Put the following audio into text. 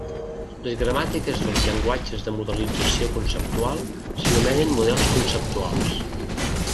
Les gramàtiques dels llenguatges de modelització conceptual s'anomenen models conceptuals.